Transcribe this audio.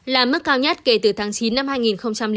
là mức cao nhất kể từ tháng chín năm hai nghìn chín